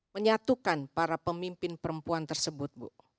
menyatukan para pemimpin perempuan tersebut bu